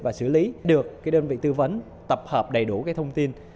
và xử lý được đơn vị tư vấn tập hợp đầy đủ cái thông tin